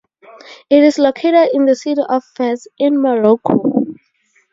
It is located in the city of Fez in Morocco.